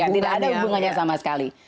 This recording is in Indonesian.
tidak ada hubungannya sama sekali